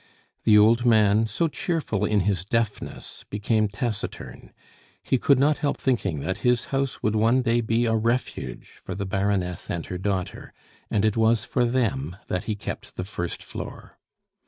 The old man, so cheerful in his deafness, became taciturn; he could not help thinking that his house would one day be a refuge for the Baroness and her daughter; and it was for them that he kept the first floor.